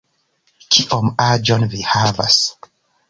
Kiom aĝon vi havas?